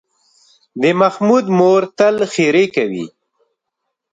د محمود مور تل ښېرې کوي.